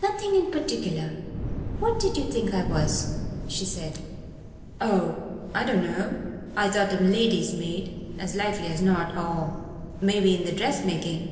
"Nothing in particular. What did you think I was?" she said. "Oh I dunno I thought a lady's maid, as likely as not, or maybe in the dressmaking.